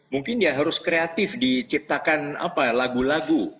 mungkin ya harus kreatif diciptakan lagu lagu